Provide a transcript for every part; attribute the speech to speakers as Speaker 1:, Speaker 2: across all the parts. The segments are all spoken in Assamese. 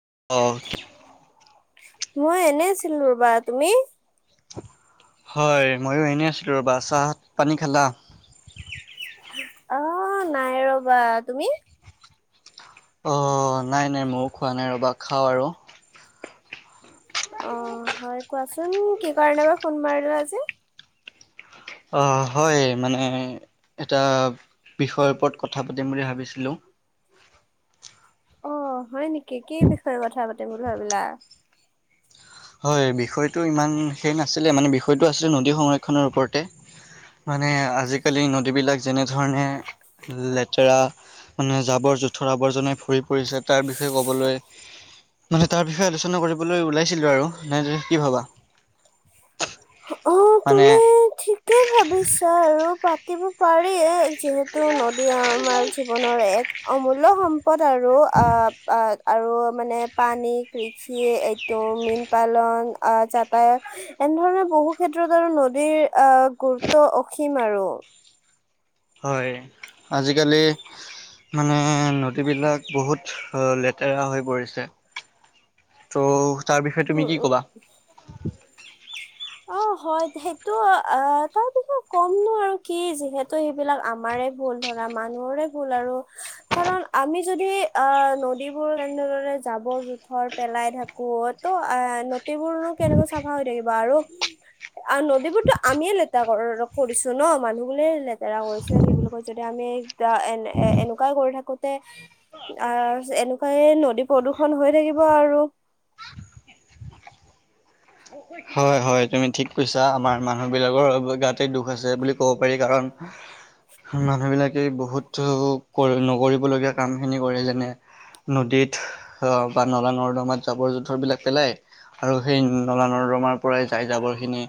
Speaker 1: অ',
Speaker 2: মই এনে আছিলো ৰ'বা, তুমি?
Speaker 1: হয় মইয়ো এনেই আছিলোঁ ৰ'বা, চাহ পানী খালা?
Speaker 2: অ', নাই ৰবা, তুমি?
Speaker 1: অ', নাই নাই মইয়ো খোৱা নাই ৰ'বা, খাও আৰু।
Speaker 2: অ', হয় কোৱাচোন, কি কাৰণে বা ফোন মাৰিলো আজি?
Speaker 1: অ', হয় মানে এটা বিষয়ৰ ওপৰত কথা পাতিম বুলি ভাবিছিলোঁ।
Speaker 2: অ', হয় নেকি? কি কি বিষয়ে কথা পা বুলি ভাবিলা।
Speaker 1: হয় বিষয়টো ইমান সেই নাছিলে মানে বিষয়টো আছিলে নদী সংৰক্ষণৰ ওপৰতে মানে আজিকালি নদীবিলাক যেনেধৰণে লেতেৰা মানে জাবৰ জোথৰ আৱৰ্জনাই ভৰি পৰিছে তাৰ বিষয়ে ক'বলৈ, মানে তাৰ বিষয়ে আলোচনা কৰিবলৈ ওলাইছিলো আৰু। নে তুমি কি ভাবা?
Speaker 2: অ',
Speaker 1: মানে
Speaker 2: তুমি ঠিকেই ভাবিছা, আৰু পা দিব পাৰি যিহেতু নদী আমাৰ জীৱনৰ এক অমূল্য সমপ পদ আৰু আ, আ। আৰু মানে পানী কৃষি এইটো মীন পালন আহ যাতায়ত এনেধৰণৰ বহু ক্ষেত্ৰত আৰু নদীৰ আহ গুৰুত্ব অসীম আৰু।
Speaker 1: হয় আজিকালি মানে নদীবিলাক বহুত লেতেৰা হৈ পৰিছে ত' তাৰ বিষয়ে তুমি
Speaker 2: উম
Speaker 1: কি
Speaker 2: উম
Speaker 1: ক'বা?
Speaker 2: অ', হয় সেইটো আহ তাৰ বিষয়ে ক'মনো আৰু কি যিহেতু সেইবিলাক আমাৰে ভুল ধৰা মানুহৰে ভুল আৰু কাৰণ আমি যদি আহ নদীবোৰ এনেদৰে জাবৰ জোথৰ পেলাই থাকো তো নদীবোৰনো কেনেকৈ চাফা হৈ থাকিব আৰু আৰু নদীবোৰতো আমিয়ে লেতেৰা কৰিছো ন মানুহবোৰে লেতেৰা কৰিছে কি বুলি কয় যদি আমি এ এ এনেকুৱাই কৰি থাকোতে আহ এনেকুৱাই নদী প্ৰদূৰ্ষন হৈ থাকিব আৰু
Speaker 1: হয় হয় তুমি ঠিক কৈছা, আমাৰ মানুহ বিলাকৰ গাতে দুখ আছে বুলি ক'ব পাৰি, কাৰণ মানুহ বিলাকে বহুত নকৰিবলগীয়া কাম খিনি কৰে যেনে নদীত বা নলা নৰ্দমাত জাবৰ জোথৰ বিলাক পেলাই আৰু সেই নলা নৰদমা আমাৰ পৰা যাই জাবৰ খিনি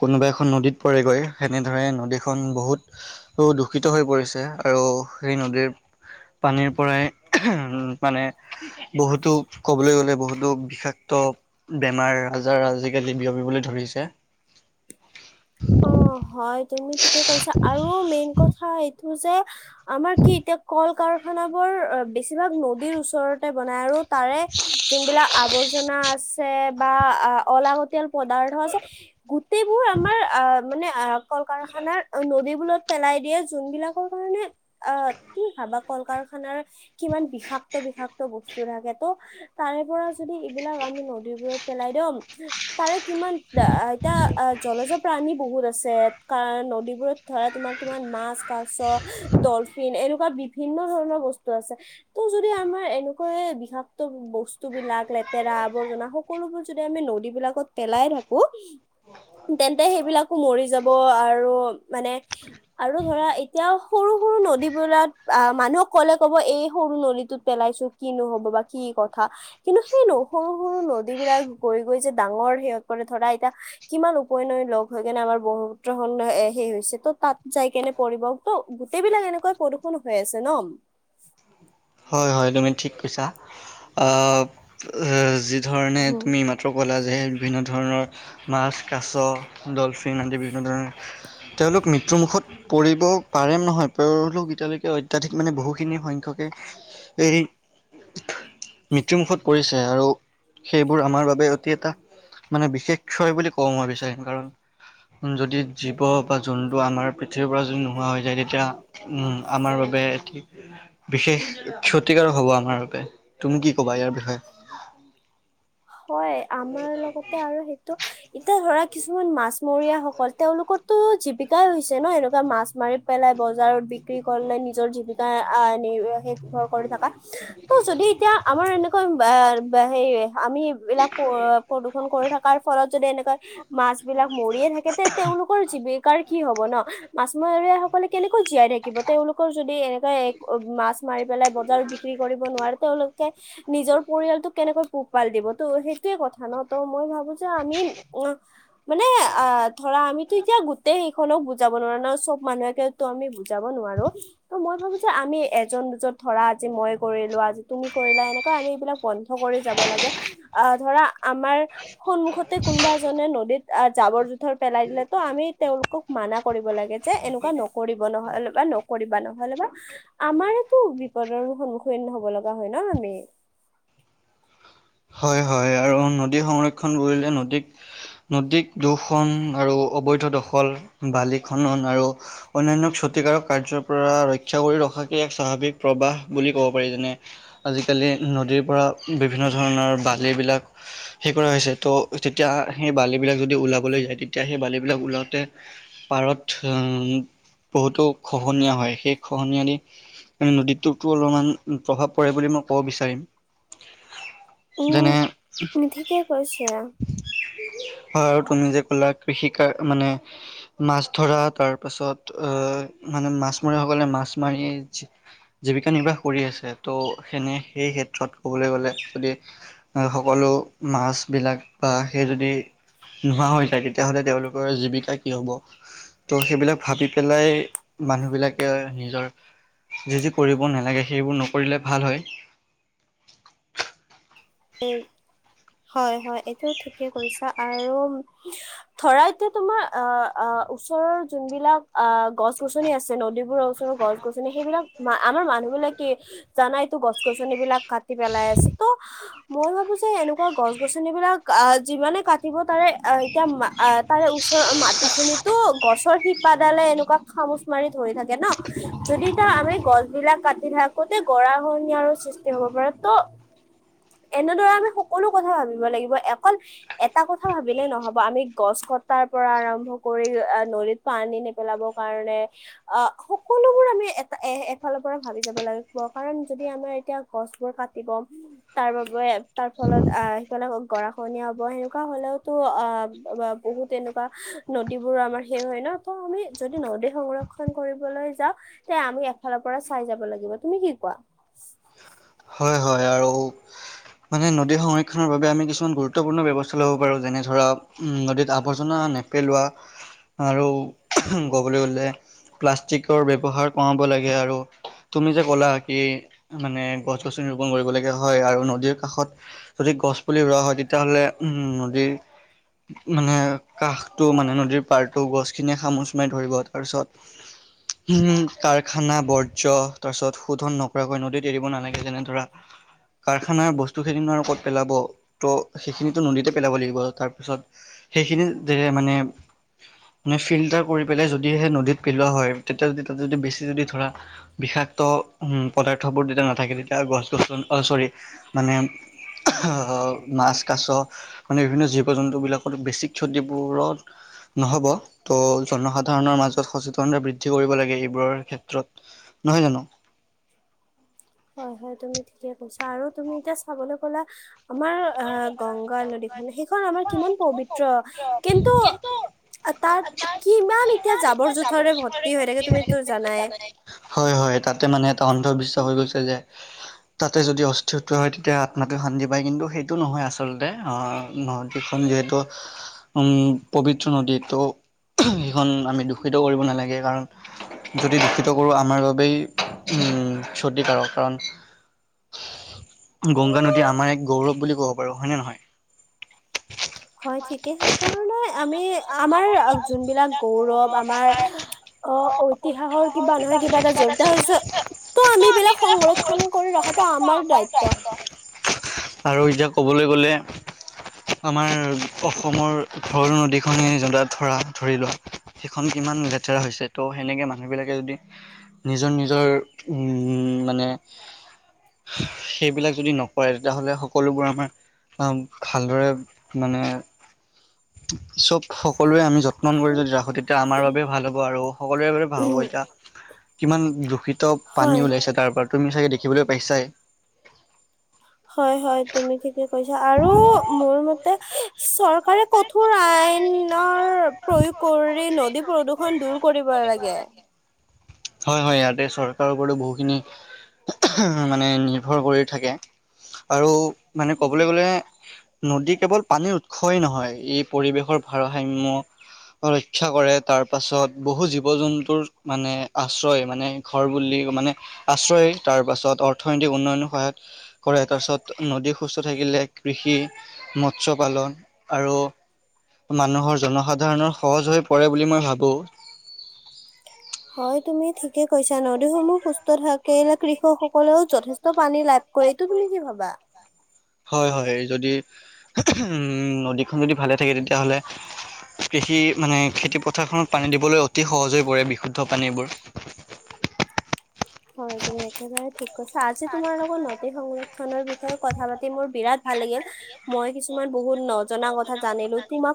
Speaker 1: কোনোবা এখন নদীত পৰেগৈ সেনেদৰে নদীখন বহুত দূষিত হৈ পৰিছে আৰু সেই নদীৰ পানীৰ পৰাই মানে বহুতো, ক'বলৈ গ'লে বহুতো বিষাক্ত বেমাৰ আজাৰ আজিকালি বিয়পিবলৈ ধৰিছে।
Speaker 2: অ', হয় তুমি ঠিকে কৈছা আৰু মেইন কথা এইটো যে আমাৰ কি এতিয়া কল কাৰখানাবোৰ বেছিভাগ নদীৰ ওচৰতে বনাই আৰু তাৰে, যোনবিলাক আৱৰ্জনা আছে বা, অলাগতিয়াল পদাৰ্থ আছে, গোটেইবোৰ আমাৰ অ', মানে আহ কল কাৰখানাৰ নদীবোৰত পেলাই দিয়ে যোনবিলাকৰ কাৰণে, আহ কি ভাবা কল কাৰখানাৰ কিমান বিষাক্ত বিষাক্ত বস্তু থাকে ত' তাৰে পৰা যদি এইবিলাক আমি নদীবোৰত পেলাই দিও, তাৰে কিমান এতিয়া জলজ প্ৰাণী বহুত আছে, কাৰ নদীবোৰত ধৰা তোমাৰ কিমান মাছ, কাছ, ডলফিন এনেকুৱা বিভিন্ন ধৰণৰ বস্তু আছে, ত' যদি আমাৰ এনেকুৱায়ে বিষাক্ত বস্তু বিলাক লেতেৰা আৱৰ্জনা সকলোবোৰ যদি আমি নদীবিলাকত পেলাই থাকো তেন্তে সেইবিলাকো মৰি যাব আৰু মানে, আৰু ধৰা এতিয়া সৰু সৰু নদীবলাক, আহ মানুহক ক'লে কব এই সৰু নদীটোত পেলাইছো কিনো হ'ব বা কি কথা কিন্তু সেই নো সৰু সৰু নদীবলাক গৈ গৈ যে ডাঙৰ সিহঁত মানে ধৰা এতিয়া কিমান পই নৈ লগ হৈ কেনে আমাৰ ব্ৰহ্মপুত্ৰখন হেই হৈছে ত তাত যাই কেনে পৰিবটো গোটেইবিলাক এনেকুৱা প্ৰদূষণ হৈ আছে ন।
Speaker 1: হয় হয় তুমি ঠিক কৈছা, আ যি ধৰণে তুমি মাত্ৰ ক'লা যে বিভিন্ন ধৰণৰ মাছ, কাছ, ডলফিন আদি বিভিন্ন ধৰণৰ, তেওঁলোক মৃত্যুমুখত পৰিব পাৰিম নহয় [unintelligible] এতিয়ালৈকে অত্যাধিক মানে বহুখিনি সংখ্যকে এই, মৃত্যুমুুখত পৰিছে আৰু, সেইবোৰ আমাৰ বাবে অতি এটা, মানে বিশেষ ক্ষয় বুলি কব, মই বিচাৰিম কাৰণ যদি জীৱ বা জন্তু আমাৰ পৃথিৱীৰ পৰা যদি নোহোৱা হৈ যায়, তেতিয়া উম আমাৰ বাবে এতি, বিশেষ ক্ষতিকাৰক হ'ব আমাৰ বাবে, তুমি কি কবা ইয়াৰ বিষয়ে?
Speaker 2: হয়। আমাৰ লগতে আৰু সেইটো এতিয়া ধৰা কিছুমান মাছমৰীয়াসকল, তেওঁলোকৰটো জীৱিকাই হৈছে ন এনেকুৱা মাছ মাৰি পেলাই বজাৰত বিক্ৰী কৰিলে। নিজৰ জীৱি [unintelligible] নিৰ্ভৰ কৰি থকা। ত যদি এতিয়া আমাৰ এনেকুৱা বা-বা হেৰি আমি বিলাক প্ৰ-প্ৰদূষন কৰি থকাৰ ফলত যদি এনেকৈ মাছ বিলাক মৰিয়ে থাকে তে তেওঁলোকৰ জীৱিকাৰ কি হ'ব ন। মাছমৰীয় সকলে কেনেকৈ জীয়াই থাকিব? তেওঁলোকৰ যদি এনেকে মাছ মাৰি পেলাই বজাৰত বিক্ৰী কৰিব নোৱাৰে, তেওঁলোকে নিজৰ পৰিয়ালটোক কেনেকৈ পুহ পাল দিব। ত সেইটোয়ে কথা ন। ত মই ভাবো যে, আমি অ', মানে আহ ধৰা আমিতো এতিয়া গোটেই সেইখনক বুজাব নোৱাৰো ন, চব মানুহেকেটো আমি বুজাব নোৱাৰো। ত মই ভাবো যে আমি এজন-দুজন ধৰা আজি মই কৰিলো, আজি তুমি কৰিলা এনেকুৱা আমি এইবিলাক বন্ধ কৰি যাব লাগ গে। আ ধৰা আমাৰ সন্মুখতে কোনোবা এজনে নদীত জাবৰ-জোথৰ পেলাই দিলে, ত আমি তেওঁলোকক মানা কৰিব লাগে, যে এনেকুৱা নকৰিব ন'হলে বা নকৰিবা। ন'হলে বা আমাৰেটো বিপদৰ সন্মুখীন হ'ব লগা হয় ন আমি।
Speaker 1: হয়, হয়। আৰু নদী সংৰক্ষণ কৰিলে, নদীক-নদীক দূষণ আৰু অবৈধ দখল, বালি খনন আৰু অন্যান্য ক্ষতিকাৰক কাৰ্যৰ পৰা ৰক্ষা কৰি ৰখাকে এক স্বাভাৱিক প্ৰবাহ বুলি ক'ব পাৰি। যেনে আজিকালি নদীৰ পৰা বিভিন্ন ধৰ ধৰণৰ বালিবিলাক হে কৰা হৈছে। ত' তেতিয়া সেই বালিবিলাক যদি ওলাবলৈ যায়, তেতিয়া সেই বালিবিলাক ওলাওঁতে পাৰত বহুতো খহনীয়া হয়, সেই খহনীয়া দি নদীটোতো অলমান প্ৰভাৱ পৰে বুলি মই ক'ব বিচাৰিম।
Speaker 2: উম,
Speaker 1: যেনে
Speaker 2: ঠিকে কৈছা।
Speaker 1: হয়। আৰু তুমি যে ক'লা কৃষি কাৰ মানে মাছ ধৰা, তাৰ পাছত আহ মানে মাছমৰীয়াসকলে মাছ মাৰি জীৱিকা নিৰ্বাহ কৰি আছে। ত' সেনে সেই ক্ষেত্ৰত ক'বলৈ গ'লে যদি সকলো মাছবিলাক বা সেই যদি নোহোৱা হৈ যায় তেতিয়াহ'লে তেওঁলোকৰ জীৱিকা কি হ'ব? ত' সেইবিলাক ভাবি পেলাই মানুহবিলাকে নিজৰ যি যি কৰিব নালাগে, সেইবোৰ নকৰিলে ভাল হয়।
Speaker 2: হয়, হয়। এইটো ঠিকে কৈছা। আৰু ধৰা এতিয়া তোমাৰ আ-আ ওচৰৰ যোনবিলাক আ গছ-গছনি আছে। নদীবোৰৰ ওচৰৰ গছ-গছনি, সেইবিলাক আমাৰ মানুহ বিলাকে জানাইটো গছ-গছনিবিলাক কাটি পেলাই আছে। ত মই ভাবো যে এনেকুৱা গছ-গছনিবিলাক আ যিমানে কাটিব তাৰে এতিয়া তাৰে ওচৰৰ মাটি খিনিতো গছৰ শিপাডালে এনেকুৱা খামুচ মাৰি ধৰি থাকে ন, যদি তাৰ আমি গছবিলাক কাটি থাকোতে গৰাখহনীয়া আৰু সৃষ্টি হ'ব পাৰে। ত এনেদৰে আমি সকলো কথা ভাবিব লাগিব। অকল এটা কথা ভাবিলে নহ'ব, আমি গছ কটাৰ পৰা আৰম্ভ কৰি নদীত পানী নেপেলাব কাৰণে আ সকলোবোৰ আমি এটা এ এফালৰ পৰা ভাবি যাব লাগিব। কাৰণ যদি আমাৰ এতিয়া গছবোৰ কাটিব তাৰ বাবে তাৰ ফলত আ সেইফালে গৰাখনীয়া হ'ব। সেনেকুৱা হ'লেওতো আ বহুত এনেকুৱা নদীবোৰো আমাৰ শেষ হয় ন, ত আমি যদি নদী সংৰক্ষন কৰিবলৈ যাওঁ তে আমি এফালৰ পৰা চাই যাব লাগিব। তুমি কি কোৱা?
Speaker 1: হয়, হয় আৰু মানে নদীৰ সংৰক্ষণৰ বাবে আমি কিছুমান গুৰুত্বপূৰ্ণ ব্যৱস্থা ল'ব পাৰোঁ যেনে ধৰা উম নদীত আৱৰ্জনা নেপেলোৱা আৰু ক'বলৈ গ'লে প্লাষ্টিকৰ ব্যৱহাৰ কমাব লাগে আৰু তুমি যে ক'লা কি মানে গছ, গছনি ৰূপণ কৰিবলগীয়া হয় আৰু নদীৰ কাষত। যদি গছ, পুলি ৰোৱা হয় তেতিয়াহলে উম নদীৰ মানে কাষটো মানে নদীৰ পাৰটো গছ খিনি খামুচ মাৰি ধৰিব তাৰ পিছত উম কাৰখানা বৰ্জ তাৰ পিছত শোধন নকৰাকৈ নদীত এৰিব নালাগে যেনে ধৰা কাৰখানা বস্তু। টো সেইদিন আৰু ক'ত পেলাব ত' সেইখিনিতো নদীতে পেলাব লাগিব, তাৰপিছত সেইখিনি যে মানে মানে ফিল্টাৰ কৰি পেলাই যদিহে নদীত পেলোৱা হয় তেতিয়া যদি তাতে যদি বেছি যদি ধৰা বিষাক্ত হম পদাৰ্থবোৰ তেতিয়া নাথাকে তেতিয়া গছ গছনি অ' চৰি। মানে আহ অ মাছ, কাছ মানে বিভিন্ন জীৱ জন্তু বিলাকত বেছিক ক্ষতিবোৰত নহ'ব ত' জনসাধাৰণৰ মাজত সচেতনতা বৃদ্ধি কৰিব লাগে, এইবোৰৰ ক্ষেত্ৰত নহয় জানো?
Speaker 2: হয়, হয় তুমি ঠিকে কৈছা আৰু তুমি এতিয়া চাবলৈ কলা আমাৰ আ গংগা নদী খনে সেই। এইখন আমাৰ কিমান পবিত্ৰ। কিন্তু আ তাৰ কিমান এতিয়া জাবৰ জোথৰেৰে ভৰ্তি হৈ থাকে তুমিটো জানায়ে?
Speaker 1: হয়, হয় তাতে মানে এটা অন্ধবিশ্বাস হৈ গৈছে যে, তাতে যদি অস্থিৰত্ব হয় তেতিয়া আত্মাটোই শান্তি পায় কিন্তু সেইটো নহয় আচলতে, অহ নদীখন যিহেতু উম পবিত্ৰ নদী ত' সেইখন আমি দূষিত কৰিব নালাগে কাৰণ যদি দূষিত কৰো আমাৰ বাবেই উম ক্ষতিকাৰক কাৰণ গংগা নদী আমাৰ এক গৌৰৱ বুলি ক'ব পাৰো হয়নে নহয়?
Speaker 2: হয় ঠিকে সেইকাৰণে আমি আমাৰ আ যোনবিলাক গৌৰৱ আমাৰ অ' ইতিহাসৰ কিবা নহয় কিবা এটা জৰিত হৈছে ত' আমি বিলাক সংৰক্ষন কৰি ৰাখি ৰখাটো আমাৰ দায়িত্ব।
Speaker 1: আৰু এতিয়া ক'বলৈ গলে আমাৰ অসমৰ ঘৰৰ নদীখনে যত ধৰা ধৰি লোৱা সেইখন কিমান লেতেৰা হৈছে ত' সেনেকে মানুহবিলাকে যদি নিজৰ, নিজৰ উম মানে সেইবিলাক যদি নকৰে। তেতিয়াহ'লে সকলোবোৰ আমাৰ ভালদৰে মানে চব সকলোৱে আমি যত্ন কৰি যদি ৰাখো তেতিয়া আমাৰ বাবে ভাল হ'ব আৰু। সকলোৰে বাবে ভাল হব
Speaker 2: উম,
Speaker 1: এতিয়া। কিমান দোষিত ত,
Speaker 2: হয়
Speaker 1: পানী ওলাইছে তাৰ পৰা। তুমি চাগে দেখিবলৈ পাইছাই।
Speaker 2: হয় হয়, তুমি ঠিকে কৈছা, আৰু মোৰ মতে চৰ পাৰে কঠোৰ আইনৰ প্ৰয়োগ কৰি নদী প্ৰদূৰ্ষন দূৰ কৰিব লাগে।
Speaker 1: হয় হয়, ইয়াতে চৰকাৰৰ ওপৰত বহুখিনি মানে নিৰ্ভৰ কৰি থাকে, আৰ মানে
Speaker 2: উম,
Speaker 1: ক'বলৈ গ'লে নদী কেৱল পানীৰ উৎসহেই নহয়, এই পৰিৱেশৰ ভাৰসাম্য ৰক্ষা কৰে, তাৰপাছত বহু জীৱ জন্তুৰ মানে আশ্ৰয় মানে ঘৰ বুলি মানে আশ্ৰয়, তাৰ পাছত অৰ্থনৈতিক উন্নয়ন সহায়ত কৰে, তাৰ পাছত নদী সুস্থ থাকিলে কৃষি মৎস্ পালন আৰু মানুহৰ জনসাধাৰণৰ সহজ হৈ পৰে বুলি মই ভাবো।
Speaker 2: হয় তুমি ঠিকে কৈছা নদীসমূহ সুস্থ থাকে, কৃষকসকলেও যথেষ্ট পানী লাভ কৰে, তুমি কি ভাবা?
Speaker 1: হয় হয় যদি, উ নদীখন যদি ভালে থাকে তেতিয়াহ'লে, কৃষি মানে খেতি পথাৰখনত পানী দিবলৈ অতি সহজ হৈ পৰে বিশুদ্ধ পানীবোৰ।
Speaker 2: হয়, তুমি একেবাৰে ঠিক কৈছা। তাজ যে তোমাৰ লগত নদীত সংগত নৰ বিষয়ে কথা পাতি মোৰ বিৰাট ভাল লাগিল, মই কিছুমান বহুত নজনা ক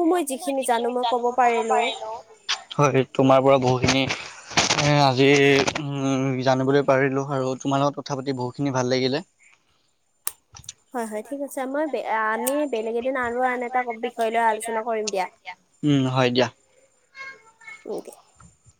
Speaker 1: তোমাকো মই যিখিনি জানো মই কব পাৰিলো, হয় নি তোমাৰ পৰা বহুত আজি জানিবলৈ পাৰিলোঁ আৰু তোমাৰ লগত কথা পাতি বহুখিনি ভাল লাগিলে।
Speaker 2: হয় হয়, ঠিক আছে আমাৰ আমি বেলেগ এদিন আৰু আন এটা বিষয় লৈ আলোচনা কৰিম দিয়া।
Speaker 1: উম হয় দিয়া।
Speaker 2: [inaudible]